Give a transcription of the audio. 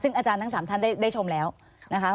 ซึ่งอาจารย์ทั้ง๓ท่านได้ชมแล้วนะคะ